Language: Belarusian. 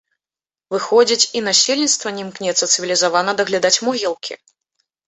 Выходзіць, і насельніцтва не імкнецца цывілізавана даглядаць могілкі.